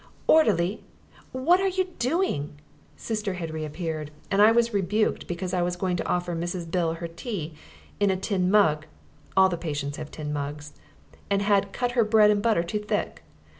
"Orderly! What are you doing?" Sister had reappeared. And I was rebuked because I was going to offer Mrs. Bill her tea in a tin mug (the patients all have tin mugs) and had cut her bread and butter too thick.